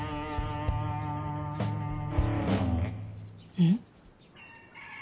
うん？